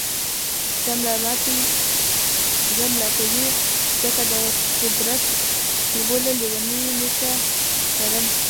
زه ملامتوئ ځکه د قدرت نیولو لېونۍ نېشه لرم.